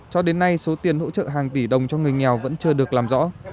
cho đến nay số tiền hỗ trợ hàng tỷ đồng cho người nghèo vẫn chưa được làm rõ